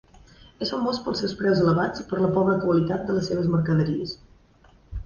És famós pels seus preus elevats i per la pobra qualitat de les seves mercaderies.